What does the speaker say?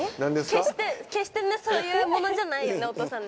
決して決してそういうものじゃないよねお父さんね。